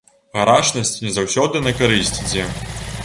Гарачнасць не заўсёды на карысць ідзе.